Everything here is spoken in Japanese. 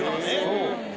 そう。